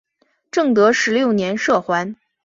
正德十六年赦还。